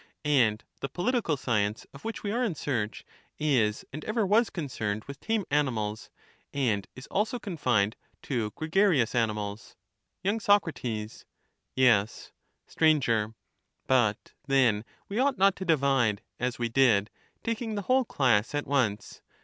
And the political science of which we are in search, is and ever was concerned with tame animals, and is also con fined to gregarious animals. y. SocT'YeiT"^ ^ Sir. But then we ought not to divide, as we did, taking the whole class at once.